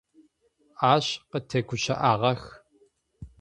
Ащ къытегущыӏагъэх.